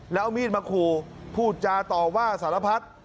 แล้วเอามีดมาขู่พูดจาต่อว่าสารพัฒน์